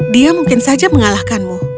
dia mungkin saja mengalahkanmu